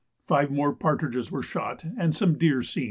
Five more partridges were shot, and some deer seen.